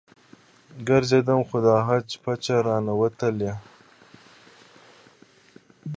ګرځېدم خو د حج پچه رانه ووتله.